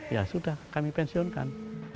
ya sudah kami pensiunkan